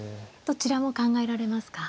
どちらも考えられますか。